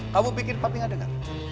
kamu bikin papi gak denger